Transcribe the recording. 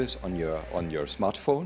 anda melakukan ini dengan smartphone